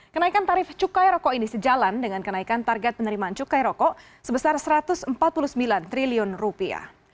kenaikan tarif cukai rokok ini sejalan dengan kenaikan target penerimaan cukai rokok sebesar satu ratus empat puluh sembilan triliun rupiah